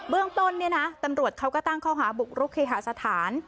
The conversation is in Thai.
เบื้องต้นตำรวจเขาก็ตั้งเข้าหาบุกรุกขี่หาสถาน